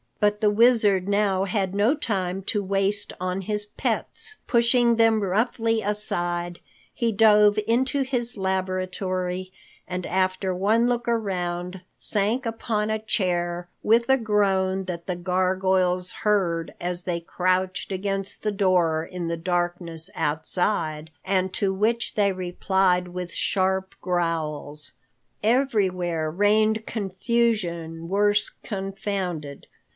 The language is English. But the Wizard now had no time to waste on his pets. Pushing them roughly aside, he dove into his laboratory and after one look around, sank upon a chair with a groan that the gargoyles heard as they crouched against the door in the darkness outside, and to which they replied with sharp growls. Everywhere reigned confusion worse confounded.